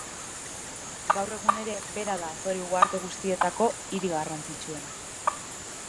Gaur egun ere bera da Azore uharte guztietako hiri garrantzitsuena.